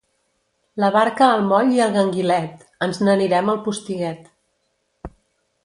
La barca al moll i el ganguilet, ens n'anirem al Postiguet.